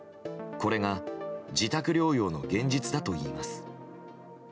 これが自宅療養の現実だといいます。